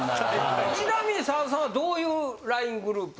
ちなみに沢田さんはどういうＬＩＮＥグループ。